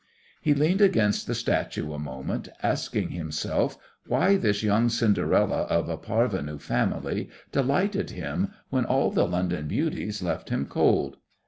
He leaned against the statue a moment, asking himself why this young Cinderella of a parvenu family delighted him when all the London beauties left him cold.